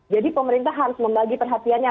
jadi pemerintah harus membagi perhatiannya